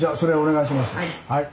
はい。